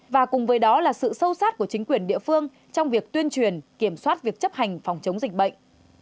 và cùng với đó là sự sâu sát của chính quyền địa phương trong việc tuyên truyền kiểm soát việc chấp hành phòng chống dịch bệnh